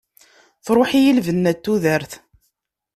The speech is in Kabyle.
Truḥ-iyi lbenna n tudert.